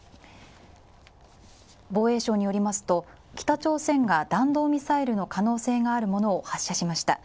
防衛省によりますと北朝鮮が弾道ミサイルの可能性があるものを発射しました。